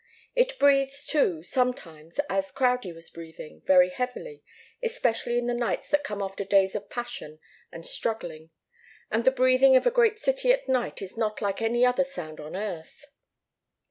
It breathes, too, sometimes, as Crowdie was breathing, very heavily, especially in the nights that come after days of passion and struggling; and the breathing of a great city at night is not like any other sound on earth.